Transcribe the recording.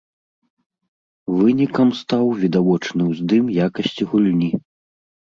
Вынікам стаў відавочны ўздым якасці гульні.